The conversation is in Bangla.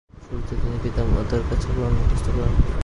শুরুতে তিনি পিতামাতার কাছে "কুরআন" মুখস্থ করেন।